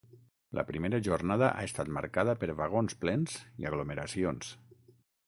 La primera jornada ha estat marcada per vagons plens i aglomeracions.